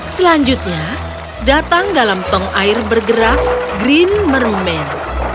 selanjutnya datang dalam tong air bergerak green mermen